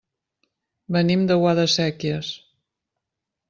Venim de Guadasséquies.